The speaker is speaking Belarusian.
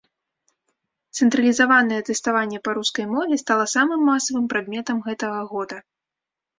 Цэнтралізаванае тэставанне па рускай мове стала самым масавым прадметам гэтага года.